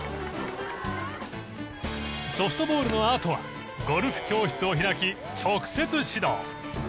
ソフトボールのあとはゴルフ教室を開き直接指導。